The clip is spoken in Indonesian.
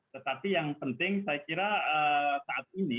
tetapi yang penting saya kira saat ini